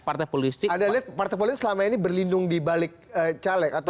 ada lihat partai politik selama ini berlindung dibalik caleg atau